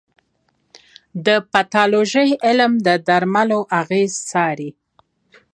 د پیتالوژي علم د درملو اغېز څاري.